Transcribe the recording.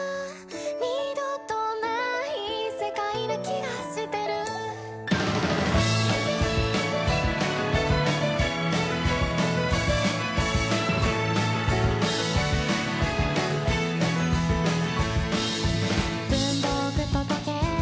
「二度とない世界な気がしてる」「文房具と時計